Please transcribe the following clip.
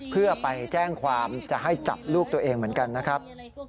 เพื่อไปแจ้งความจะให้จับลูกตัวเองเหมือนกันนะครับ